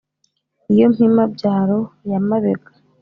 iyi mpima-byaro ya mabega,